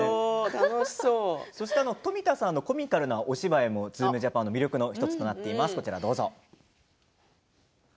富田さんのコミカルなお芝居も「ズームジャパン」の魅力の１つとなっています。